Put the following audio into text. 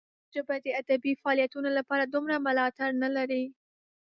پښتو ژبه د ادبي فعالیتونو لپاره دومره ملاتړ نه لري.